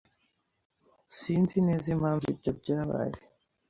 Sinzi neza impamvu ibyo byabaye.